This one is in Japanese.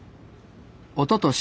おととし